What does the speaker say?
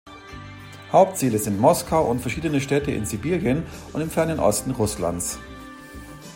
Hauptziele sind Moskau und verschiedene Städte in Sibirien und im Fernen Osten Russlands.